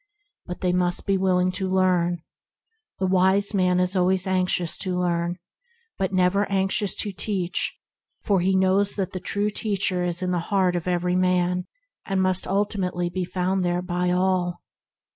But they must be willing to learn" The wise man is always anxious to learn but never anxious to teach, for he knows that the true Teacher is in the heart of every man and must 110 THE HEAVENLY LIFE ultimately be found there by all.